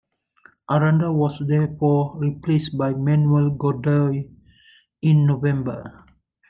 Aranda was therefore replaced by Manuel Godoy in November.